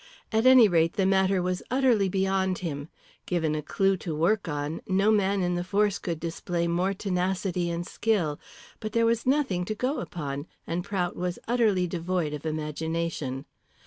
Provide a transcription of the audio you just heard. At any rate, the matter was utterly beyond him. Given a clue to work on, no man in the force could display more tenacity and skill. But there was nothing to go upon, and Prout was utterly devoid of imagination.